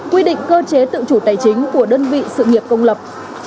quy định cơ chế tự chủ tài chính của đơn vị sự nghiệp công lập